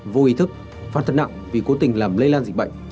vô ý thức phát thật nặng vì cố tình làm lây lan dịch bệnh